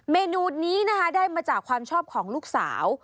เมนูนี้นะคะได้มาจากความชอบของลูกสาว